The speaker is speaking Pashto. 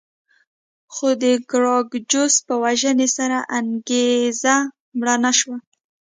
خو د ګراکچوس په وژنې سره انګېزه مړه نه شوه